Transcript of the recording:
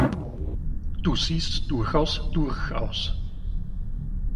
Du siehst durchaus durch aus.